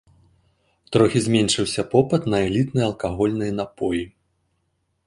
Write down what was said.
Трохі зменшыўся попыт на элітныя алкагольныя напоі.